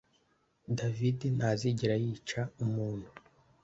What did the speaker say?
David ntazigera yica umuntu